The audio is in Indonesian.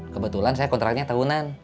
kebetulan saya kontraknya tahunan